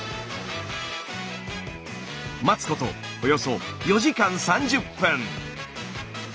待つことおよそ４時間３０分。